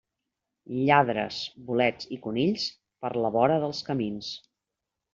Lladres, bolets i conills, per la vora dels camins.